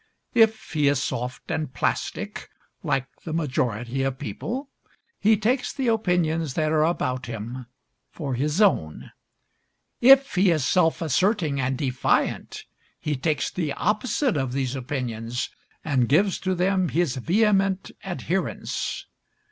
If he is soft and plastic, like the majority of people, he takes the opinions that are about him for his own. If he is self asserting and defiant, he takes the opposite of these opinions and gives to them his vehement adherence.